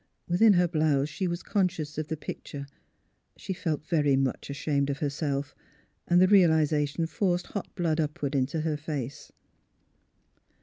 Within her blouse she was conscious of the picture. She felt very much ashamed of herself, and the realisation forced hot blood upward into her face.